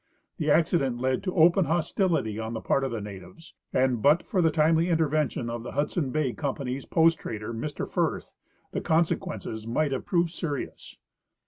The accident led to open hostility on the part of the natives, and but for the timely intervention of the Hudson' Bay company's post trader, Mr Firth, the consequences might have proved serious.